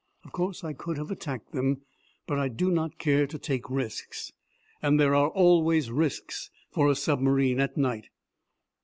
Of course I could have attacked them, but I do not care to take risks and there are always risks for a submarine at night.